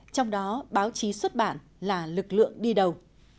trong đó báo chí xuất bản là lực lượng đi đầu